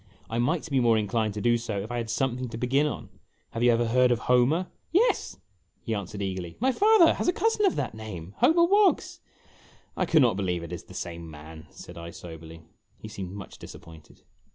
I might be more inclined to do so if I had something to begin on. Have you ever heard of Homer?' "Yes," he answered eagerly; "my father has a cousin of that name Homer W T oggs !'" I cannot believe it is the same man," said I, soberly. He seemed much disappointed.